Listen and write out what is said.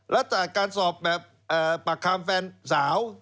แล้วจากการสอบแบบปากคำแฟนสาว